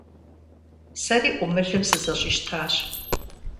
Сэри Ӏумылым сызэщӀищтащ.